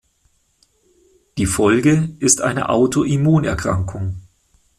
Die Folge ist eine Autoimmunerkrankung.